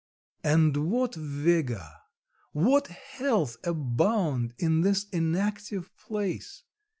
And what vigour, what health abound in this inactive place!